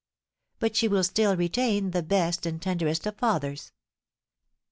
"But she will still retain the best and tenderest of fathers.